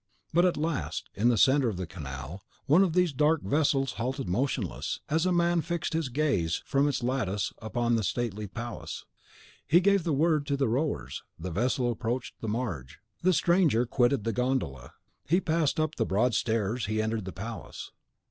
But at last, in the centre of the canal, one of these dark vessels halted motionless, as a man fixed his gaze from its lattice upon that stately palace. He gave the word to the rowers, the vessel approached the marge. The stranger quitted the gondola; he passed up the broad stairs; he entered the palace.